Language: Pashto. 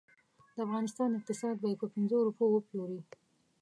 د افغانستان اقتصاد به یې په پنځو روپو وپلوري.